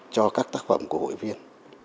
cho các tác phẩm của hội viên